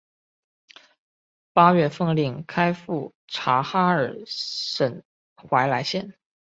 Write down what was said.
八月奉令开赴察哈尔省怀来县。